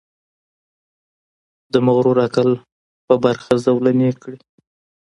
د مغرور عقل په برخه زولنې کړي.